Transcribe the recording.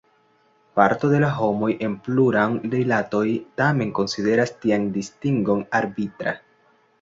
Parto de la homoj en pluram-rilatoj tamen konsideras tian distingon arbitra.